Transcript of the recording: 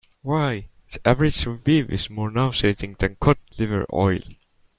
Why, the average review is more nauseating than cod liver oil.